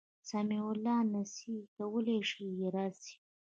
سمیع الله نسي کولای چي راسي